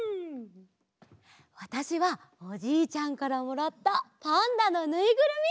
わたしはおじいちゃんからもらったパンダのぬいぐるみ！